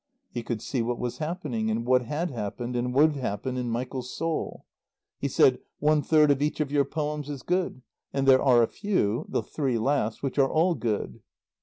He could see what was happening and what had happened and would happen in Michael's soul. He said: "One third of each of your poems is good. And there are a few the three last which are all good."